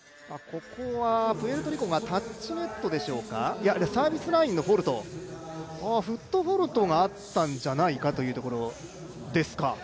ここはプエルトリコがサービスラインのフォールトフットフォールトがあったんじゃないかというところですか。